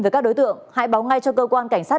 với các đối tượng hãy báo ngay cho cơ quan cảnh sát